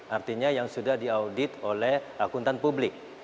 artinya yang sudah diaudit oleh akuntan publik